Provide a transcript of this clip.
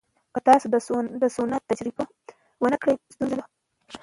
که تاسو د سونا تجربه ونه کړئ، ستونزه نه ده.